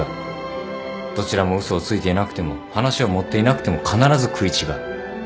どちらも嘘をついていなくても話を盛っていなくても必ず食い違う。